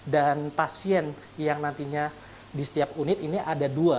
dan pasien yang nantinya di setiap unit ini ada dua